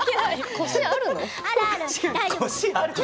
腰、あるの？